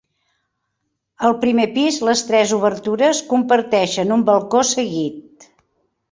Al primer pis les tres obertures comparteixen un balcó seguit.